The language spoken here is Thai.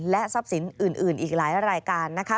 ทรัพย์สินอื่นอีกหลายรายการนะคะ